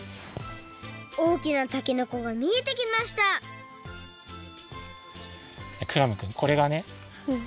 大きなたけのこがみえてきましたクラムくん